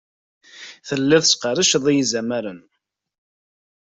Tellid tɣerrsed i yizamaren.